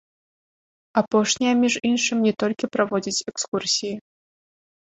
Апошняя, між іншым, не толькі праводзіць экскурсіі.